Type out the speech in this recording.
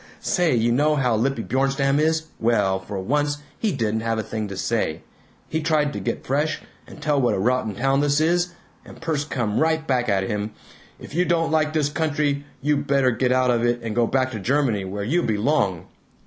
Say, you know how lippy Bjornstam is? Well for once he didn't have a thing to say. He tried to get fresh, and tell what a rotten town this is, and Perce come right back at him, 'If you don't like this country, you better get out of it and go back to Germany, where you belong!'